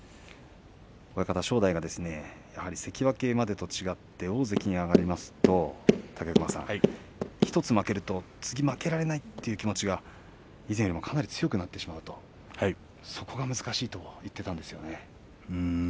親方、正代が関脇までと違って大関に上がりますと武隈さん、１つ負けると次負けられないという気持ちが以前、かなり強くなってしまうとそこが難しいと言っていました。